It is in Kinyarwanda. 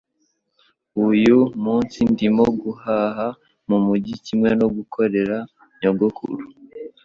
Uyu munsi ndimo guhaha mumujyi kimwe no gukorera nyogokuru